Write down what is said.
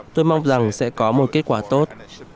tôi mong rằng sẽ có một kết quả tốt